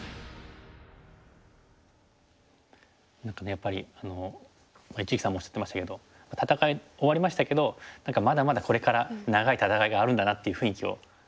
やっぱり一力さんもおっしゃってましたけど戦い終わりましたけど何かまだまだこれから長い戦いがあるんだなっていう雰囲気を２人とも。